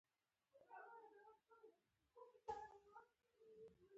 مګناکارتا منشور د مشروطه نظام اساسات رامنځته کړل.